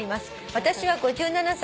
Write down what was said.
「私は５７歳。